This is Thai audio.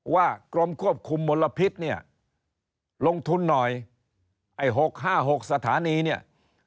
กรมควบคุมมลพิษเนี่ยลงทุนหน่อยไอ้๖๕๖สถานีเนี่ย